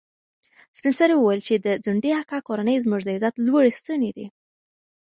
سپین سرې وویل چې د ځونډي اکا کورنۍ زموږ د عزت لوړې ستنې دي.